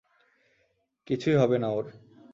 কিছুই হবে না ওর।